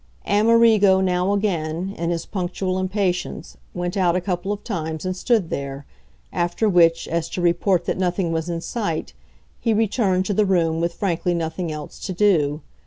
Amerigo now again, in his punctual impatience, went out a couple of times and stood there; after which, as to report that nothing was in sight, he returned to the room with frankly nothing else to do.